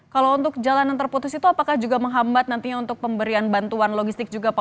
kalau untuk jalan yang terputus itu apakah juga menghambat nantinya untuk pemberian bantuan logistik juga pak